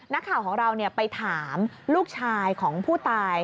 นักข่าวของเราไปถามลูกชายของผู้ตาย